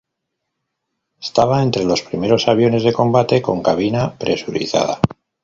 Estaba entre los primeros aviones de combate con cabina presurizada.